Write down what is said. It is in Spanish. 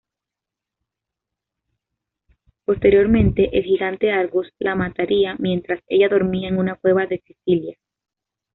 Posteriormente el gigante Argos la mataría mientras ella dormía en una cueva de Sicilia.